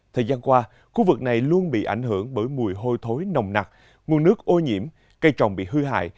thời gian qua khu vực này luôn bị ảnh hưởng bởi mùi hôi thối nồng nặc nguồn nước ô nhiễm cây trồng bị hư hại